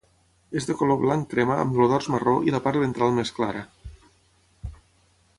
És de color blanc crema amb el dors marró i la part ventral més clara.